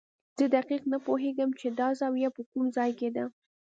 زه دقیق نه پوهېږم چې دا زاویه په کوم ځای کې ده.